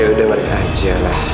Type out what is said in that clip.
ya udah warga aja lah